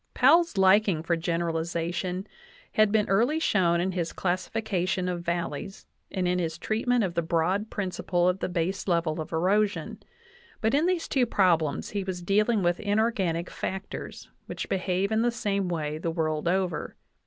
Powell's liking for generalization had been early shown in his classification of valleys and in his treatment of the broad principle of the baselevel of erosion; but in these two prob lems he was dealing with inorganic factors, which behave in the same way the world over.